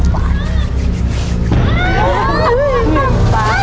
ทุกคน